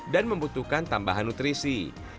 dan membutuhkan tambahan nutrisi